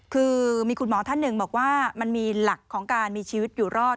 คือมีคุณหมอท่านหนึ่งบอกว่ามันมีหลักของการมีชีวิตอยู่รอด